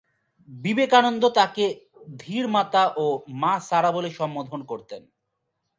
বিবেকানন্দ তাকে ‘ধীর মাতা’ ও ‘মা সারা’ বলে সম্বোধন করতেন।